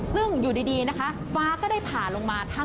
ซึ่งอยู่ดีนะคะฟ้าก็ได้ผ่าลงมา